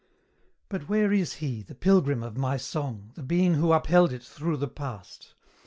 But where is he, the pilgrim of my song, The being who upheld it through the past?